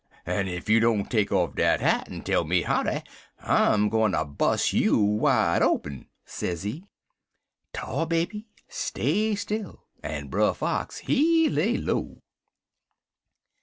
'Ef you don't take off dat hat en tell me howdy, I'm gwine ter bus' you wide open,' sezee. "Tar Baby stay still, en Brer Fox, he lay low.